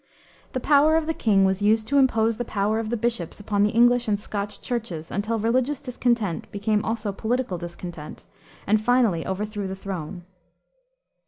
The power of the king was used to impose the power of the bishops upon the English and Scotch Churches until religious discontent became also political discontent, and finally overthrew the throne.